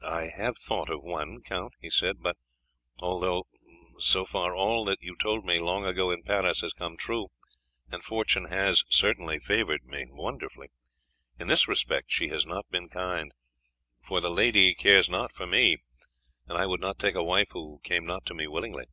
"I have thought of one, Count," he said; "but although, so far, all that you told me long ago in Paris has come true, and fortune has favoured me wonderfully, in this respect she has not been kind, for the lady cares not for me, and I would not take a wife who came not to me willingly."